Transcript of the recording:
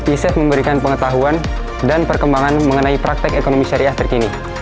isef memberikan pengetahuan dan perkembangan mengenai praktek ekonomi syariah terkini